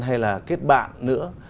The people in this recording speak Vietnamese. hay là kết bạn nữa